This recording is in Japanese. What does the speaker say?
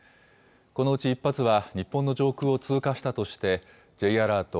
このうち１発は日本の上空を通過したとして、Ｊアラート